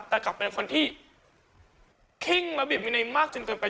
แต่กลับเป็นคนที่เข้งระเบียบวินัยมากจนเกินไป